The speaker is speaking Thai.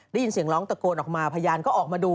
ได้ยินเสียงร้องตะโกนออกมาพยานก็ออกมาดู